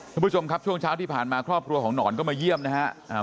คุณผู้ชมครับช่วงเช้าที่ผ่านมาครอบครัวของหนอนก็มาเยี่ยมนะฮะ